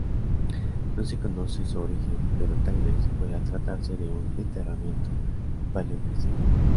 No se conoce su origen, pero tal vez pueda tratarse de un enterramiento paleocristiano.